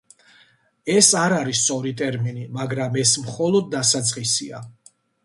ეს არ არის სწორი ტერმინი, მაგრამ ეს მხოლოდ დასაწყისია.